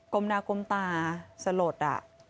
กมตาสะหรด